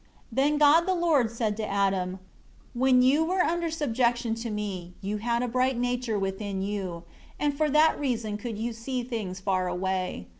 2 Then God the Lord said to Adam, "When you were under subjection to Me, you had a bright nature within you, and for that reason could you see things far away.